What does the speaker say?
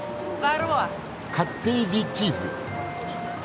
カッテージチーズ。